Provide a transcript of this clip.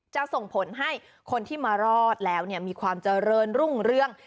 ส่งผลให้คนที่มารอดแล้วมีความเจริญรุ่งเรื่อง